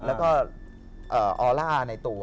มันก็ชอบเลยแล้วก็เอ่อร้าในตัว